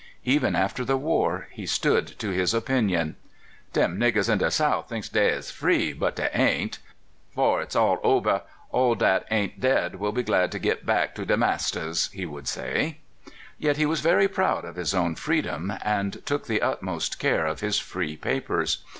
Even after the war, he stood to his opinion. " Dem niggers in de South thinks dey is free, but dev ain't. 'Fore it's all ober, all dat ain't dead will be glad to git back to deir masters," he would say. Yet he was very proud of his own freedom, and took the utmost care of his free papers.